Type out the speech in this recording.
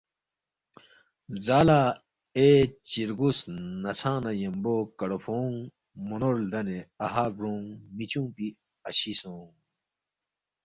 لزالا اے چیرگو سنہ ژھنگ نہ یمبو کڑوفونگ مونور لدانے اہا گرونگ میچونگ پی اَشی سونگ۔